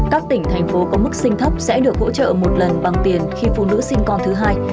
các tỉnh thành phố có mức sinh thấp sẽ được hỗ trợ một lần bằng tiền khi phụ nữ sinh con thứ hai